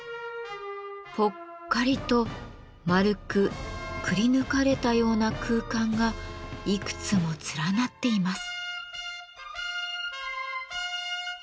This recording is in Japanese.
ぽっかりと丸くくりぬかれたような空間がいくつも連なっています。